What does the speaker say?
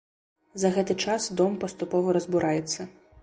За гэты час дом паступова разбураецца.